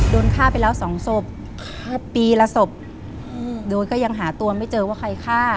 โดนฆ่าไปแล้วสองศพปีละศพโดยก็ยังหาตัวไม่เจอว่าใครฆ่า